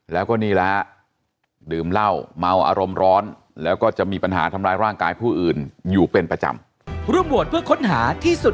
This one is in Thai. แล้วก็นี่ละดื่มเหล้าเมาอารมณ์ร้อนแล้วก็จะมีปัญหาทำลายร่างกายผู้อื่นอยู่เป็นประจำ